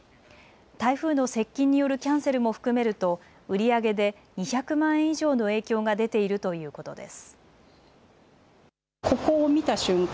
台風の接近によるキャンセルも含めると売り上げで２００万円以上の影響が出ているということです。